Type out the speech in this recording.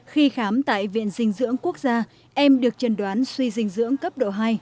khi khám tại viện dinh dưỡng quốc gia em được trần đoán suy dinh dưỡng cấp độ hai